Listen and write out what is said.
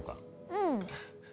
うん